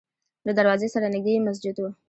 له دروازې سره نږدې یې مسجد و.